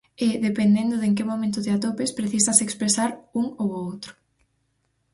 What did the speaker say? E, dependendo de en que momento te atopes, precisas expresar un ou o outro.